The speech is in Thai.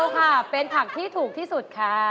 ใบกะเพราค่ะเป็นผักที่ถูกที่สุดค่ะ